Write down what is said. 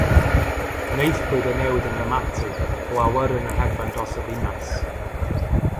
Gwnaethpwyd y newid yn ddramatig o awyren yn hedfan dros y ddinas.